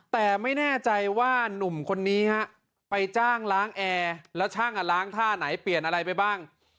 แต่ไม่แน่ใจว่านุ่มคนนี้ฮะไปจ้างล้างแอร์แล้วช่างล้างท่าไหนเปลี่ยนอะไรไปบ้าง